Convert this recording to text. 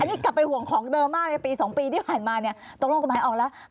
นี่กลับไปห่วงของเดิมมากในปี๒ปีที่ผ่านมาเนี่ยตกลงกฎหมายออกแล้ว